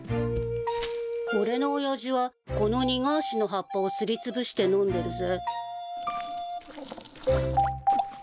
俺の親父はこのニガーシの葉っぱをすりつぶしてのんでるぜ。